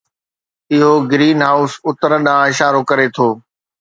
اهو greenhouse اثر ڏانهن اشارو ڪري ٿو